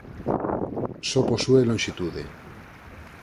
Só posúe lonxitude.